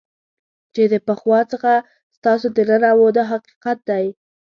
چې د پخوا څخه ستاسو دننه وو دا حقیقت دی.